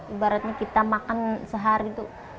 ibaratnya kita makan sehari itu